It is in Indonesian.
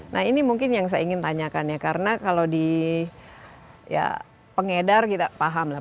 nah ini mungkin yang saya ingin tanyakan ya karena kalau di ya pengedar kita paham lah